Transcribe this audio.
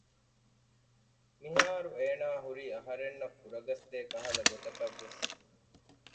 މިހާރު އޭނާ ހުރީ އަހަރެންނަށް ފުރަގަސްދޭ ކަހަލަ ގޮތަކަށްވެސް